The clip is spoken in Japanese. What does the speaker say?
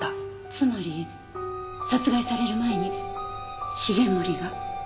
つまり殺害される前に繁森が。